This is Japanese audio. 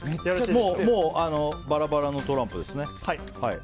もう、バラバラのトランプです。